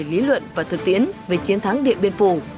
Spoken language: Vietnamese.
lý luận và thực tiễn về chiến thắng điện biên phủ